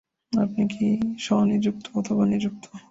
আপনি কি স্ব-নিযুক্ত অথবা নিযুক্ত?